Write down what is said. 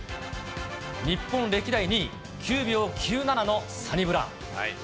日本歴代２位、９秒９７のサニブラウン。